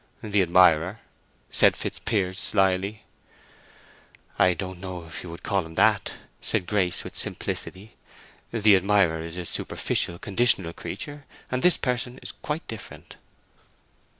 "The admirer?" said Fitzpiers, slyly. "I don't know if you would call him that," said Grace, with simplicity. "The admirer is a superficial, conditional creature, and this person is quite different."